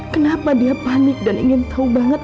kenapa dia panik dan ingin tahu banget